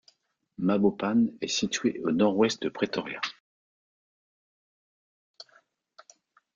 Mabopane est situé au nord-ouest de Pretoria.